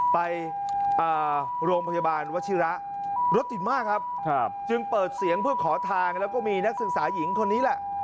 ไปโรงพยาบาลวชิระรถติดมากครับจึงเปิดเสียงเพื่อขอทางแล้วก็มีนักศึกษาหญิงคนนี้แหละ